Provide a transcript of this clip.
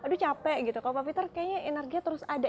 aduh capek gitu kalau pak peter kayaknya energinya terus ada